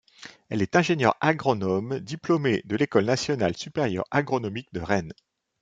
Elle est ingénieure agronome, diplômée de l'École nationale supérieure agronomique de Rennes.